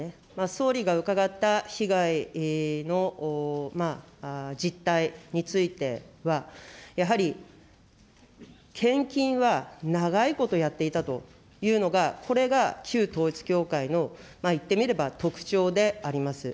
総理が伺った被害の実態については、やはり献金は長いことやっていたというのが、これが旧統一教会の、いってみれば特徴であります。